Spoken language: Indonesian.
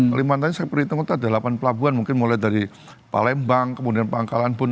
kalimantan saya perhitung itu ada delapan pelabuhan mungkin mulai dari palembang kemudian pangkalan pun